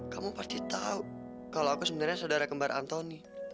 kamu pasti tahu kalau aku sebenarnya saudara kembar antoni